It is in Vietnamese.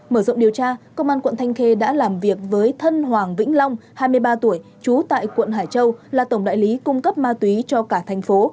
mở rộng điều tra công an quận thanh khê đã làm việc với thân hoàng vĩnh long hai mươi ba tuổi trú tại quận hải châu là tổng đại lý cung cấp ma túy cho cả thành phố